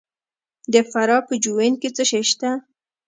د فراه په جوین کې څه شی شته؟